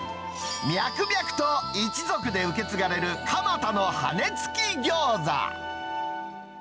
脈々と一族で受け継がれる蒲田の羽根付き餃子。